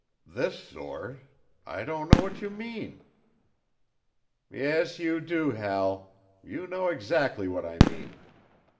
"This sort I don't know what you mean." "Yes, you do, Hal. You know exactly what I mean.